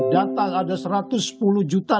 data ada satu ratus sepuluh juta